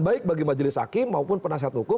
baik bagi majelis hakim maupun penasihat hukum